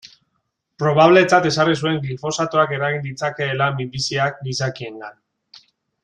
Probabletzat ezarri zuen glifosatoak eragin ditzakeela minbiziak gizakiengan.